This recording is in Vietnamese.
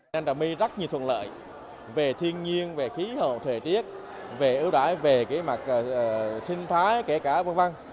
nam trà my rất nhiều thuận lợi về thiên nhiên về khí hậu thể tiết về ưu đãi về sinh thái kể cả văn văn